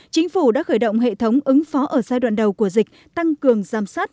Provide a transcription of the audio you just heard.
chính phủ đã khởi động hệ thống ứng phó ở giai đoạn đầu của dịch tăng cường giám sát